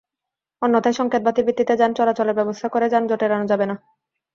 অন্যথায় সংকেত বাতির ভিত্তিতে যান চলাচলের ব্যবস্থা করে যানজট এড়ানো যাবে না।